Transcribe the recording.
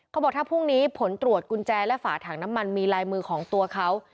เขาบอกถ้าพรุ่งนี้ผลตรวจกุญแจและฝาถังน้ำมันมีลายมือของตัวเขา